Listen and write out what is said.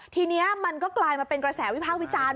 ทีนี้มันก็กลายมาเป็นกระแสวิพากษ์วิจารณ์